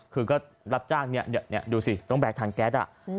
คือก็รับจ้างเนี่ยดูสิตรงแบบทางแก๊สอ่ะ